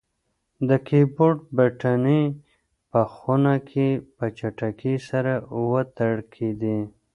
د کیبورډ بټنې په خونه کې په چټکۍ سره وتړکېدې.